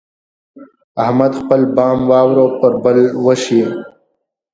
احمد خپل بام واوره پر بل وشي.